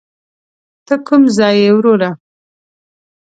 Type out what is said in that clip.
ته کوم ځای یې وروره.